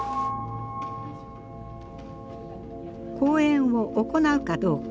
公演を行うかどうか。